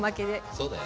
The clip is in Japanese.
そうだよね。